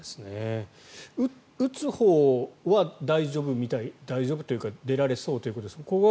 打つほうは大丈夫みたい大丈夫というか出られそうということですか。